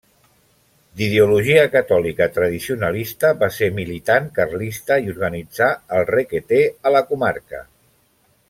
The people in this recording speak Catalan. D'ideologia catòlica tradicionalista, va ser militant carlista i organitzà el Requetè a la comarca.